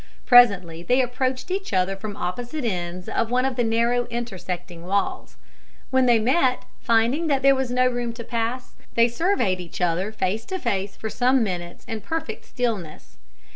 Presently they approached each other from opposite ends of one of the narrow intersecting walls. When they met, finding that there was no room to pass, they surveyed each other face to face for some minutes in perfect stillness.